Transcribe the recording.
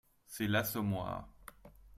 C’est L’Assommoir